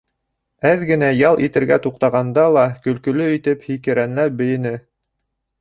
Әҙ генә ял итергә туҡтағанда ла көлкөлө итеп һикерәнләп бейене.